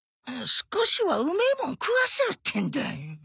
少しはうめえもん食わせろってんだ。